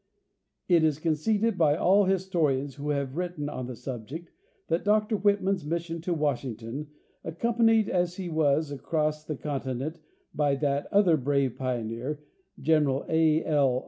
It is conceded by all historians who have written on the sub ject that Dr Whitman's mission to Washington, accompanied as he was across the continent by that other brave pioneer, General A. L.